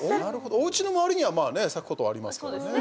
おうちの周りには咲くことはありますからね。